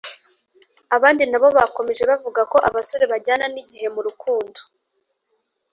Abandi nabo bakomeje bavuga ko abasore bajyana n’igihe mu rukundo